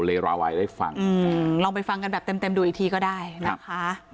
ราวายได้ฟังอืมลองไปฟังกันแบบเต็มเต็มดูอีกทีก็ได้นะคะ